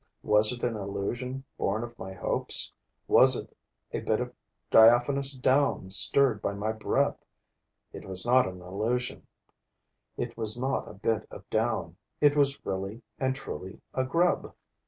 Was it an illusion born of my hopes? Was it a bit of diaphanous down stirred by my breath? It was not an illusion, it was not a bit of down, it was really and truly a grub.